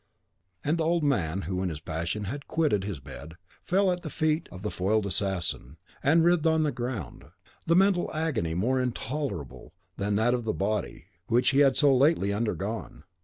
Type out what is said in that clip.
and the old man, who in his passion had quitted his bed, fell at the feet of the foiled assassin, and writhed on the ground, the mental agony more intolerable than that of the body, which he had so lately undergone.